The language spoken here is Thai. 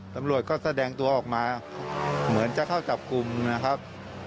ตำรวจก็แสดงตัวออกมาเหมือนจะเข้าจับกลุ่มนะครับ